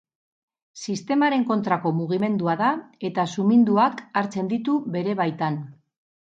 Sistemaren kontrako mugimendua da eta suminduak hartzen ditu bere baitan.